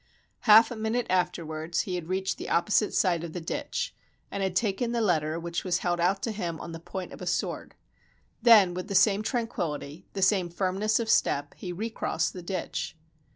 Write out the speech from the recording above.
Half a minute after wards he had reached the opposite side of the ditch, and had taken the letter which was held out to him on the point of a sword. Then, with the same tranquillity, the same firmness of step, he recrossed the ditch.